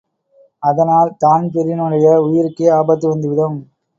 அதனால் தான்பிரீனுடைய உயிருக்கே ஆபத்து வந்துவிடும்.